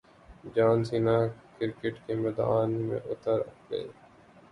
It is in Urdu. جان سینا کرکٹ کے میدان میں اتر گئے